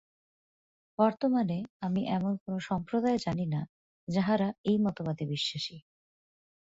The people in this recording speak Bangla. বর্তমানে আমি এমন কোন সম্প্রদায় জানি না, যাঁহারা এই মতবাদে বিশ্বাসী।